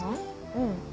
うん。